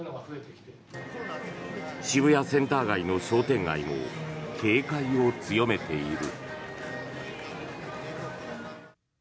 渋谷センター街の商店街も警戒を強めている。